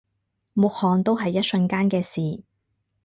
抹汗都係一瞬間嘅事